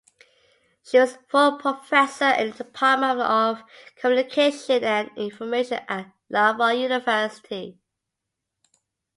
She was full professor in the Department of Communication and Information at Laval University.